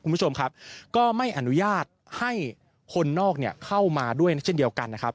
คุณผู้ชมครับก็ไม่อนุญาตให้คนนอกเนี่ยเข้ามาด้วยเช่นเดียวกันนะครับ